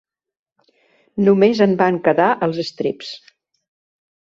Només en van quedar els estreps.